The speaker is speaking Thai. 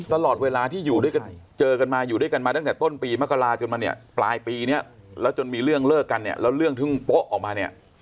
ตลอดเวลาที่อยู่ด้วยกันเจอกันมาอยู่ด้วยกันมาตั้งแต่ต้นปีมกราจนมาเนี่ยปลายปีเนี่ยแล้วจนมีเรื่องเลิกกันเนี่ยแล้วเรื่องถึงโป๊ะออกมาเนี่ย